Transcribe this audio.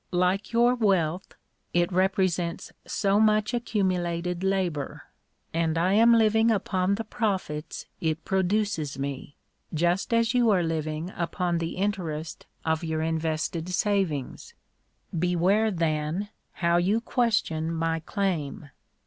like your wealth, it represents so much accumu lated labour; and I am living upon the profits it produces me, just as you are living upon the interest of your invested savings. Beware, then, how you question my claim.